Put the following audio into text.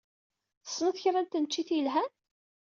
Tessned kra n tneččit yelhan?